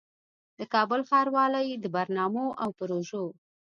د کابل ښاروالۍ د برنامو او پروژو